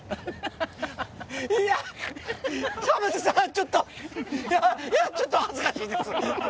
ちょっと恥ずかしいです。